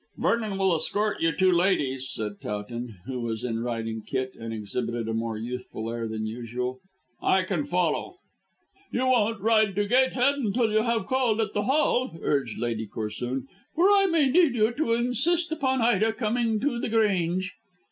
"Vernon will escort you two ladies," said Towton, who was in riding kit, and exhibited a more youthful air than usual. "I can follow." "You won't ride to Gatehead until you have called at the Hall," urged Lady Corsoon; "for I may need you to insist upon Ida coming to The Grange."